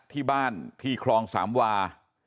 ที่บ้านที่คลองสามวา